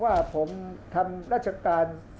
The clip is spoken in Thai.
ภาคอีสานแห้งแรง